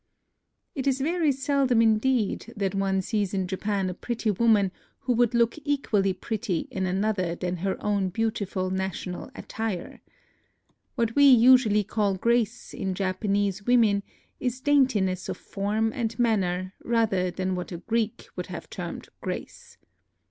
It is very seldom in deed that one sees in Japan a pretty woman who would look equally pretty in another than her own beautiful national attire. What we usually call grace in Japanese women is dainti ness of form and manner rather than what a Greek would have termed grace.